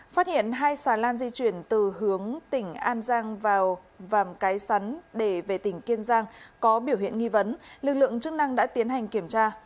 phát hiện hai xà lan di chuyển từ hướng tỉnh an giang vào vàm cái sắn để về tỉnh kiên giang có biểu hiện nghi vấn lực lượng chức năng đã tiến hành kiểm tra